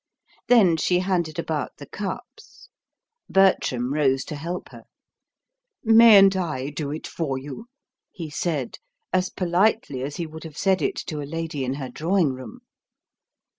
Then she handed about the cups. Bertram rose to help her. "Mayn't I do it for you?" he said, as politely as he would have said it to a lady in her drawing room.